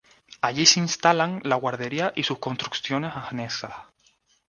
Allí se instalan la guardería y sus construcciones anexas.